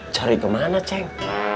cari kemana ceng